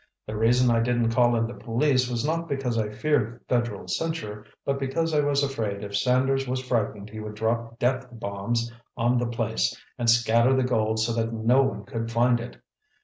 The reason I didn't call in the police was not because I feared Federal censure, but because I was afraid if Sanders was frightened, he would drop depth bombs on the place and scatter the gold so that no one could find it.